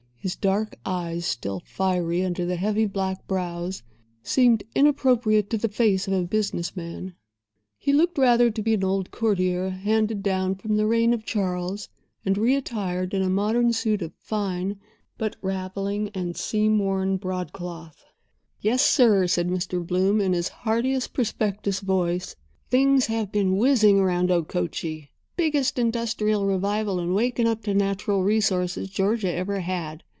His dark eyes, still fiery under the heavy black brows, seemed inappropriate to the face of a business man. He looked rather to be an old courtier handed down from the reign of Charles, and re attired in a modern suit of fine, but raveling and seam worn, broadcloth. "Yes, sir," said Mr. Bloom, in his heartiest prospectus voice, "things have been whizzing around Okochee. Biggest industrial revival and waking up to natural resources Georgia ever had.